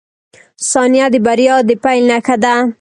• ثانیه د بریا د پیل نښه ده.